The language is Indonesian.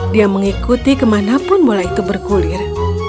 dia mengikuti kemanapun bola itu bergulir